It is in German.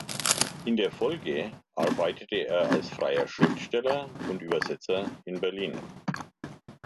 In der Folge arbeitete er als freier Schriftsteller und Übersetzer in Berlin.